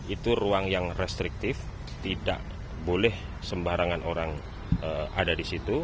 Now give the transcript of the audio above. itu ruang yang restriktif tidak boleh sembarangan orang ada di situ